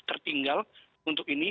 tertinggal untuk ini